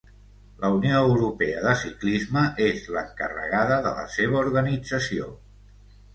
La Unió Europea de Ciclisme és l'encarregada de la seva organització.